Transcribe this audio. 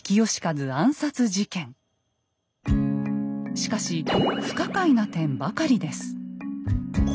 しかし不可解な点ばかりです。